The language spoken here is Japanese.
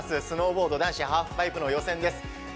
スノーボード男子ハーフパイプの予選です。